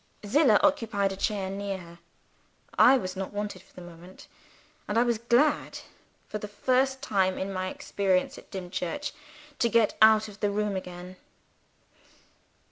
Zillah occupied a chair near her. I was not wanted for the moment and I was glad, for the first time in my experience at Dimchurch, to get out of the room again.